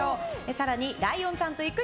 更に、ライオンちゃんと行く！